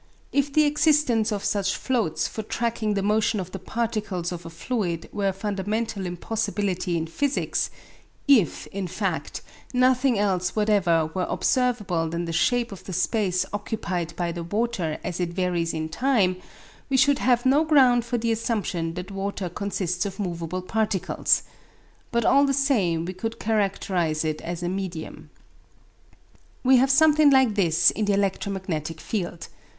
If the existence of such floats for tracking the motion of the particles of a fluid were a fundamental impossibility in physics if, in fact, nothing else whatever were observable than the shape of the space occupied by the water as it varies in time, we should have no ground for the assumption that water consists of movable particles. But all the same we could characterise it as a medium. We have something like this in the electromagnetic field.